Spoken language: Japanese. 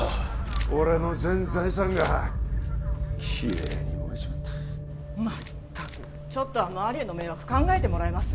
俺の全財産がきれいに燃えちまったまったくちょっとは周りへの迷惑考えてもらえます？